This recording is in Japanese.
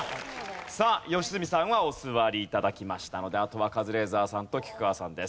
さあ良純さんはお座り頂きましたのであとはカズレーザーさんと菊川さんです。